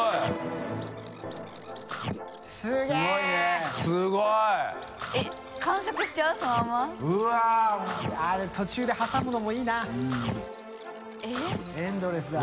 Δ錣繊あれ途中で挟むのもいいな藤田）